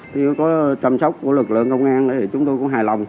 chúng tôi có chăm sóc của lực lượng công an thì chúng tôi cũng hài lòng